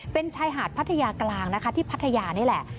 เป็นชายหาดพัทยากลางนะคะที่พัทยานี่แหละ